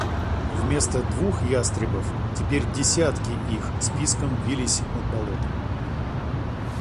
Вместо двух ястребов теперь десятки их с писком вились над болотом.